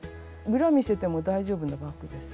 裏見せても大丈夫なバッグです。